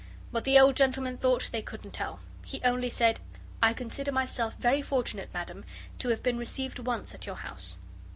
What the old gentleman thought they couldn't tell. He only said: "I consider myself very fortunate, Madam, to have been received once at your house."